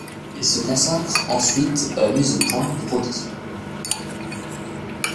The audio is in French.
Il se consacre ensuite à la mise au point de prototypes.